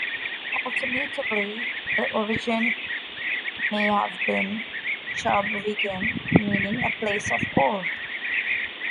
Alternatively, the origin may have been "Chabwegan," meaning "a place of ore".